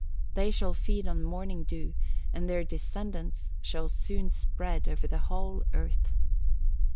They shall feed on morning dew, and their descendants shall soon spread over the whole earth.